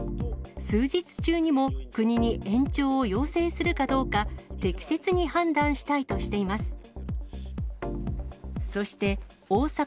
数日中にも、国に延長を要請するかどうか、適切に判断したいとしています。